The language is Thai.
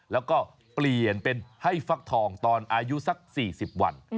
แล้วก็เปลี่ยนเป็นให้ฟักทองตอนอายุสัก๔๐วัน